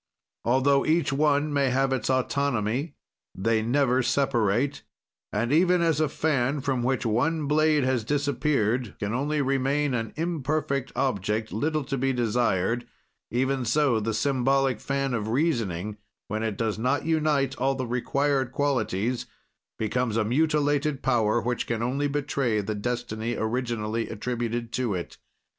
"Altho each one may have its autonomy, they never separate, and, even as a fan from which one blade has disappeared can only remain an imperfect object little to be desired, even so, the symbolic fan of reasoning, when it does not unite all the required qualities, becomes a mutilated power, which can only betray the destiny originally attributed to it.